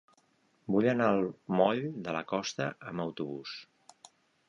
Vull anar al moll de la Costa amb autobús.